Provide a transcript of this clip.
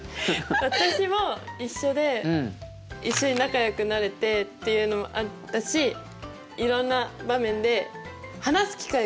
私も一緒で一緒に仲よくなれてっていうのもあったしいろんな場面で話す機会が多くなったなって思いました。